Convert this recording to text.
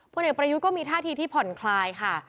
เด็กประยุทธ์ก็มีท่าทีที่ผ่อนคลายค่ะ